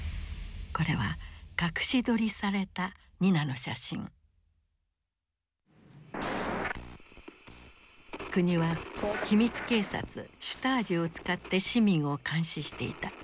これは国は秘密警察シュタージを使って市民を監視していた。